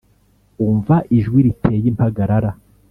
umva ijwi riteye impagarara.